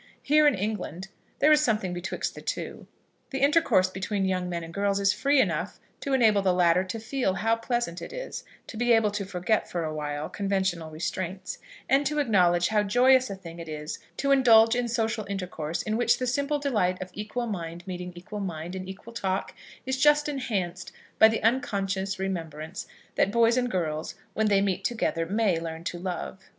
Here in England there is a something betwixt the two. The intercourse between young men and girls is free enough to enable the latter to feel how pleasant it is to be able to forget for awhile conventional restraints, and to acknowledge how joyous a thing it is to indulge in social intercourse in which the simple delight of equal mind meeting equal mind in equal talk is just enhanced by the unconscious remembrance that boys and girls when they meet together may learn to love.